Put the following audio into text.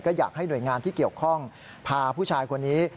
อยากให้หน่วยงานที่เกี่ยวข้องพาผู้ชายคนนี้